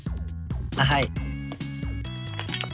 はい。